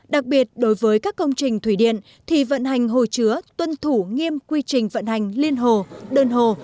đặc biệt đối với các công trình thủy điện thì vận hành hồ chứa tuân thủ nghiêm quy trình vận hành liên hồ đơn hồ